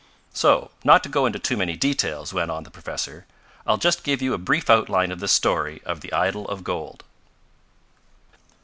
"So, not to go into too many details," went on the professor, "I'll just give you a brief outline of this story of the idol of gold.